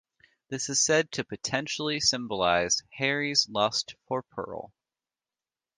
This is said to potentially symbolize Harry's lust for Pearl.